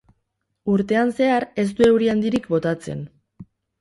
Urtean zehar ez du euri handirik botatzen.